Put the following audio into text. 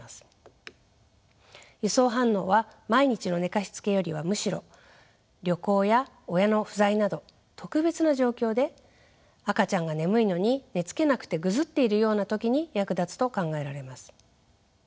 輸送反応は毎日の寝かしつけよりはむしろ旅行や親の不在など特別な状況で赤ちゃんが眠いのに寝つけなくてぐずっているような時に役立つと考えられます。